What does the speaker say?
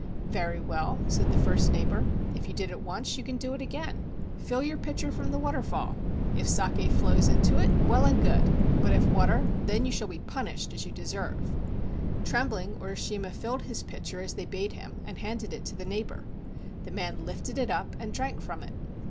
"Very well," said the first neighbor. "If you did it once, you can do it again. Fill your pitcher from the waterfall. If saki flows into 157 THE ENCHANTED WATERFALL it, well and good; but if water, then you shall be punished as you deserve." Trembling, Urishima filled his pitcher as they bade him and handed it to the neighbor. The man lifted it up and drank from it.